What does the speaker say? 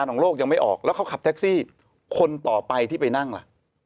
ทีนี้ประเด็นถัดมา